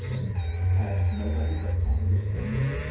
Had nobody but Congressmen